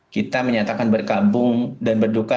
kita menyatakan berkabung dan berduka